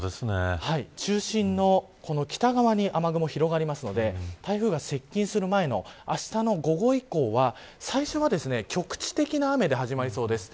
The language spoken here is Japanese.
中心の北側に雨雲が広がりますので台風が接近する前のあしたの午後以降は最初は局地的な雨で始まりそうです。